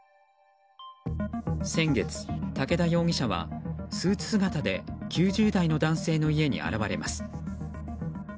先月、武田容疑者はスーツ姿で９０代の男性の家に現れます。